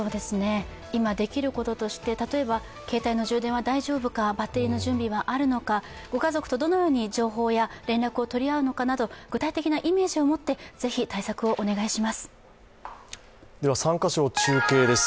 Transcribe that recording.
今できることとして、例えば携帯の充電はあるか、バッテリーの準備はあるのか、ご家族とどのように連絡や情報を取り合うのか、具体的なイメージを持って３か所、中継です。